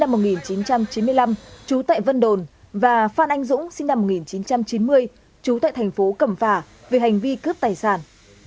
năm một nghìn chín trăm chín mươi năm trú tại vân đồn và phan anh dũng sinh năm một nghìn chín trăm chín mươi trú tại thành phố cầm phà về hành vi cướp tài sản